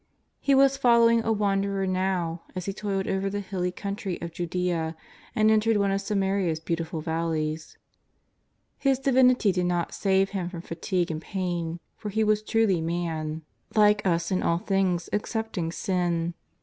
He was following a wanderer now as He toiled over the hilly country of Judea and entered one of Samaria's beauti ful valleys. His Divinity did not save Him from fatigue and pain, for He was truly man, like us in all things excepting sin.